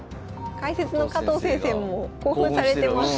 解説の加藤先生も興奮されてます。